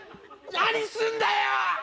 何すんだよ！